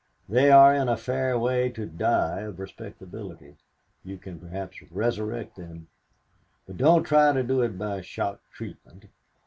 They are in a fair way to die of respectability. You can perhaps resurrect them; but don't try to do it by shock treatment.